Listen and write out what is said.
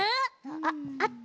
あっあった。